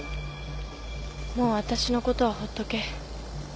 もうわたしのことはほっとけ。